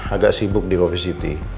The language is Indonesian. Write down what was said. agak sibuk di coffe city